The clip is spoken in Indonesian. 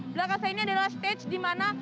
belakang saya ini adalah stage dimana